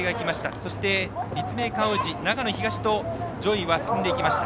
そして、立命館宇治長野東と上位は進んでいきました。